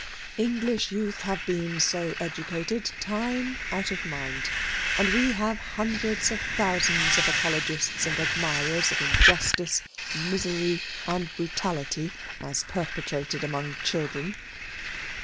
English youth have been so educated time out of mind, and we have hundreds of thousands of apologists and admirers of injustice, misery, and brutality, as perpetrated among children.